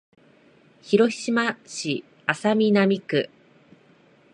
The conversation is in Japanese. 広島市安佐南区